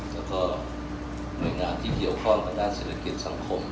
แล้วก็หน่วยงานที่เกี่ยวข้องทางด้านเศรษฐกิจสังคม